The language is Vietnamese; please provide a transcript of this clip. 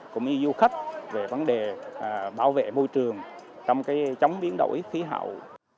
cũng như du khách về vấn đề bảo vệ môi trường trong chống biến đổi khí hậu